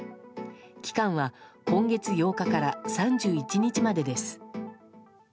期間は今月８日から３１日までです。